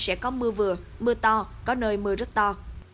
sẽ có mưa vừa mưa to có nơi mưa rất to